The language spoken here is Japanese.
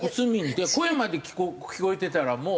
声まで聞こえてたらもう。